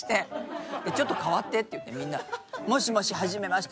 「ちょっと代わって」って言ってみんな「もしもしはじめまして。